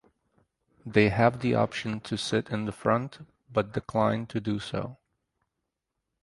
They have the option to sit in the front, but decline to do so.